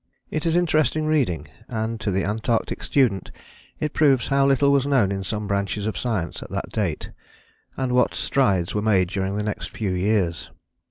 It is interesting reading, and to the Antarctic student it proves how little was known in some branches of science at that date, and what strides were made during the next few years.